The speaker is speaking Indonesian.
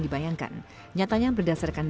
di masyarakat saya pikir saat ini